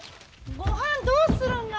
ごはんどうするが？